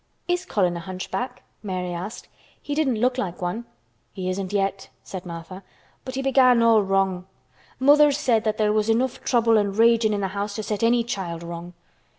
"Is Colin a hunchback?" Mary asked. "He didn't look like one." "He isn't yet," said Martha. "But he began all wrong. Mother said that there was enough trouble and raging in th' house to set any child wrong.